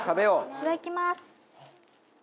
いただきます。